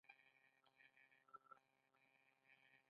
دا د موریانو د واکمنۍ نښه ده